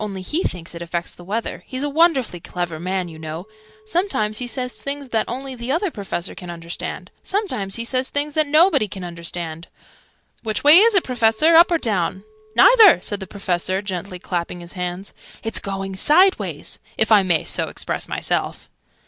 Only he thinks it affects the weather. He's a wonderfully clever man, you know. Sometimes he says things that only the Other Professor can understand. Sometimes he says things that nobody can understand! Which way is it, Professor? Up or down?" "Neither!" said the Professor, gently clapping his hands. "It's going sideways if I may so express myself."